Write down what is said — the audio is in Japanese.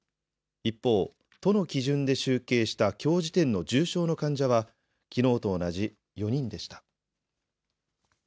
一方、都の基準で集計した、きょう時点の重症の患者は、きのうと同じ４人でした。